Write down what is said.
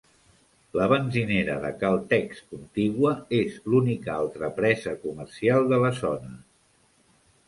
La benzinera de Caltex contigua és l'única altra presa comercial de la zona.